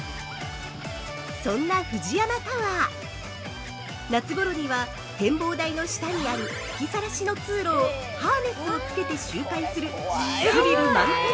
◆そんなＦＵＪＩＹＡＭＡタワー夏ごろには、展望台の下にある吹きさらしの通路をハーネスをつけて周回するスリル満点！